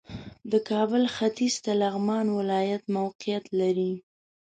د کابل ختیځ ته لغمان ولایت موقعیت لري